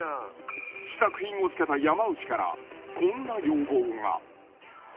試作品を着けた山内から、こんな要望が。